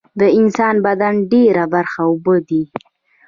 د انسان بدن ډیره برخه اوبه دي